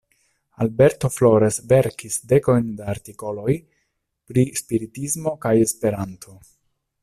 Alberto Flores verkis dekojn da artikoloj pri spiritismo kaj Esperanto.